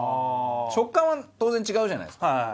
食感は当然違うじゃないですか。